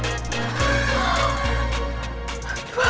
kalau nih ga tertawa